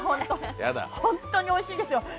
本当においしいんですよ。